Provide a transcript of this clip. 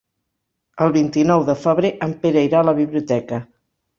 El vint-i-nou de febrer en Pere irà a la biblioteca.